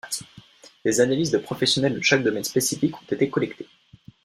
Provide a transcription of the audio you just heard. Des analyses de professionnels de chaque domaine spécifique ont été collectées.